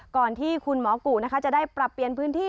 ก่อนที่คุณหมอกุนะคะจะได้ปรับเปลี่ยนพื้นที่